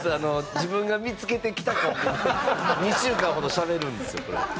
自分が見付けてきた感じで２週間ほどしゃべるんですよこれ。